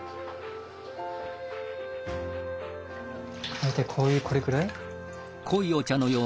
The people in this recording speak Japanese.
大体こういうこれくらい？